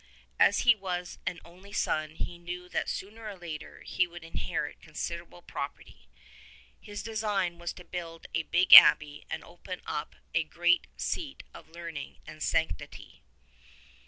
As he was an only son he knew that sooner or later he would inherit considerable property. His design was to build a big abbey and open up a great seat of learning and of sanctity.